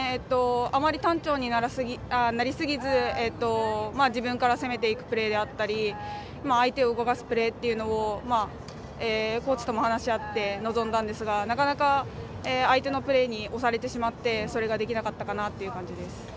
あまり単調になりすぎず自分から攻めていくプレーであったり相手を動かすプレーというのをコーチとも話し合って臨んだんですがなかなか、相手のプレーに押されてしまってそれができなかったかなという感じです。